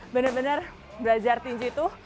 bener bener belajar tinju itu